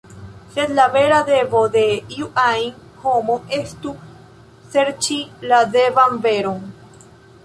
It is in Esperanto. Sed la vera devo de iu ajn homo estu serĉi la devan veron.